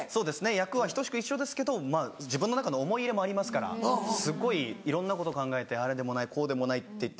役は等しく一緒ですけどまぁ自分の中の思い入れもありますからすごいいろんなこと考えてあれでもないこうでもないっていって。